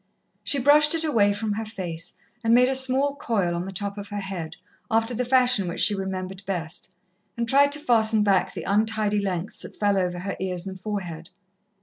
She brushed it away from her face, and made a small coil on the top of her head, after the fashion which she remembered best, and tried to fasten back the untidy lengths that fell over her ears and forehead.